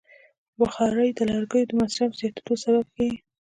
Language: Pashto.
بخاري د لرګیو د مصرف زیاتیدو سبب کېږي.